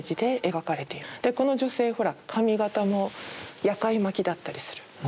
この女性ほら髪型も夜会巻きだったりする。